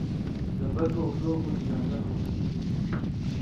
د بل په اوږو خو جنازې پورته کېږي